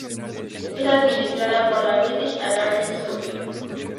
Es administrada por la British Antarctic Survey.